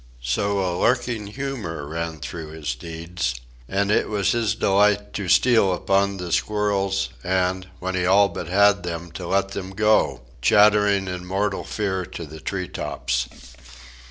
So a lurking humor ran through his deeds, and it was his delight to steal upon the squirrels, and, when he all but had them, to let them go, chattering in mortal fear to the treetops.